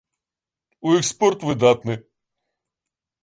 У іх спорт выдатны.